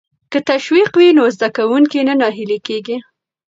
که تشویق وي نو زده کوونکی نه ناهیلی کیږي.